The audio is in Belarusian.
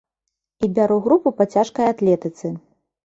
І бяру групу па цяжкай атлетыцы.